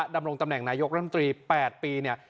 ดำรงตำแหน่งนายกรัฐมนตรี๘ปีเนี่ย